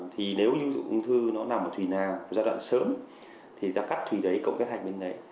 thì nếu lưu dụng ung thư nó nằm ở thùy nào giai đoạn sớm thì ta cắt thùy đấy cộng cái thạch bên đấy